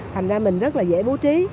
thành ra mình rất là dễ bố trí